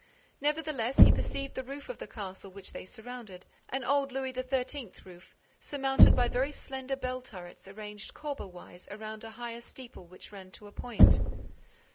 Nevertheless, he perceived the roof of the castle which they surrounded, an old Louis XIII. roof, surmounted by very slender bell turrets arranged corbel wise around a higher steeple which ran to a point.